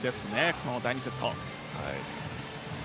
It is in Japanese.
この第２セット。